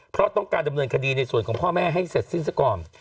เพราะต้องการดำเนินคดีในส่วนของพ่อแม่ให้เสร็จสิ้นซะก่อน